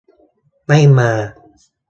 ไม่มา